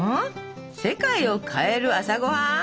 「世界を変える朝ごはん」？